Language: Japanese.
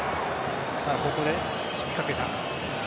ここで引っかけた。